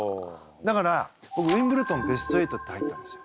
だからぼくウィンブルドンベスト８って入ったんですよ。